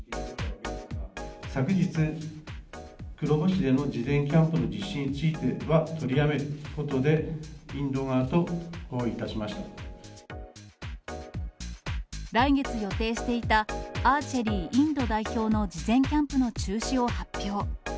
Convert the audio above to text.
昨日、黒部市での事前キャンプの実施については、取りやめることで、来月予定していた、アーチェリーインド代表の事前キャンプの中止を発表。